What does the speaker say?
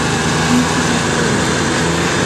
Kiyitibwa bbeere.